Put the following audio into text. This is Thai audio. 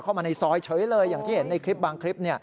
เข้ามาในซอยเฉยเลยอย่างที่เห็นในคลิปบางคลิป